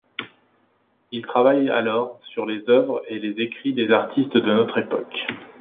Il travaille alors sur les œuvres et les écrits des artistes de notre époque.